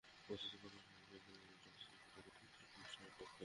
বস্তুত, প্রথম সারির প্রার্থীরা নিজেদের অবস্থান সংহত করতে বিতর্ক অনুষ্ঠানের পক্ষে।